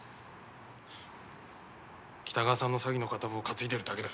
北川さんの詐欺の片棒を担いでるだけだ。